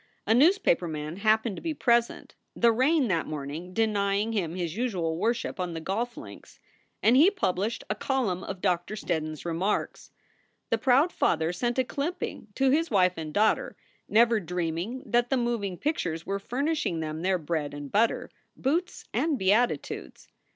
A newspaper man happened to be present the rain that morning denying him his usual worship on the golf links and he published a column of Doctor Steddon s remarks. The proud father sent a clipping to his wife and daughter, never dreaming that the moving pictures were furnishing them their bread and butter, boots and beatitudes.